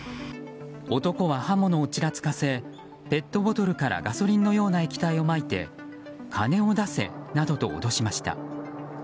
男は刃物をちらつかせペットボトルからガソリンのような液体をまいて金を出せなどと脅しました。